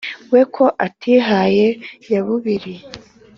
we ko atihaye nyabubiri,